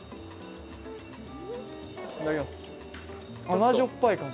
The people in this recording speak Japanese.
甘じょっぱい感じ。